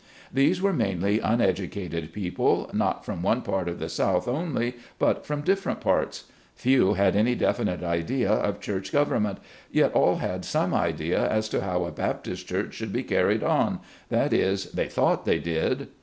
These were mainly uneducated peo ple, not from one part of the South only, but from dif ferent parts. Few had any definite idea of church government, yet all had some idea as to how a Baptist church should be carried on, that is, they thought they did.